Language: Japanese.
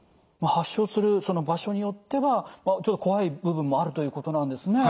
発症する場所によっては怖い部分もあるということなんですね。